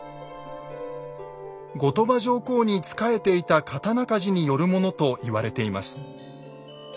後鳥羽上皇に仕えていた刀鍛冶によるものと言われています。